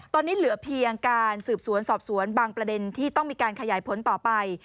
ตอนนี้เหลือเพียงการสืบสวนสอบสวนบางประเด็นที่ต้องมีการขยายผลต่อไป